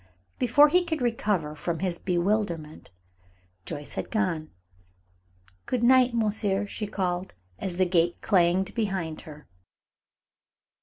Before he could recover from his bewilderment, Joyce had gone. "Good night, monsieur," she called, as the gate clanged behind her.